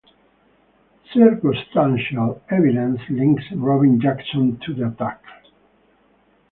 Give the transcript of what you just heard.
Circumstantial evidence links Robin Jackson to the attack.